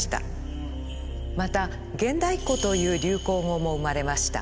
また「現代っ子」という流行語も生まれました。